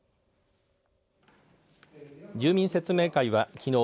住民説明会は、きのう